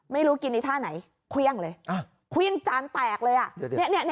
ไม่รู้กินในท่าไหนเขี้ยงเลยเขี้ยงจานแตกเลย